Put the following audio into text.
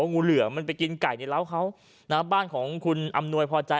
งูเหลือมันไปกินไก่ในร้าวเขานะบ้านของคุณอำนวยพอใจ